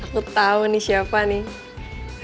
aku tahu nih siapa nih